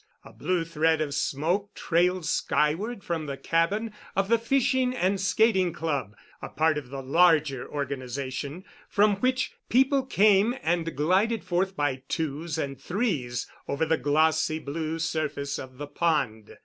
A blue thread of smoke trailed skyward from the cabin of the Fishing and Skating Club—a part of the larger organization—from which people came and glided forth by twos and threes over the glossy blue surface of the pond.